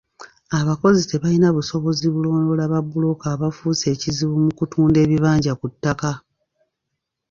Abakozi tebalina busobozi bulondoola babbulooka abafuuse ekizibu mu kutunda ebibanja ku ttaka.